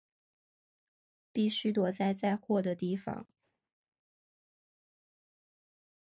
必须躲在载货的地方